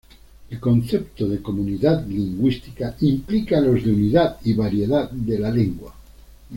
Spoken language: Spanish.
El concepto de comunidad lingüística implica los de unidad y variedad de la lengua.